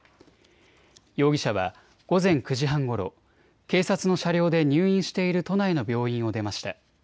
容疑者は午前９時半ごろ、警察の車両で入院している都内の病院を出ました。